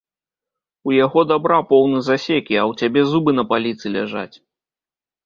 У яго дабра поўны засекі, а ў цябе зубы на паліцы ляжаць.